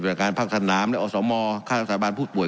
บริษัทการพักทันน้ำและออสมอค่าสถาบันผู้ป่วย